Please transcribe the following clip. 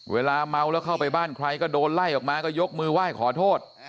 เวลาเมาแล้วเข้าไปบ้านใครก็โดนไล่ออกมาก็ยกมือไหว้ขอโทษ